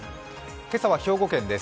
今朝は兵庫県です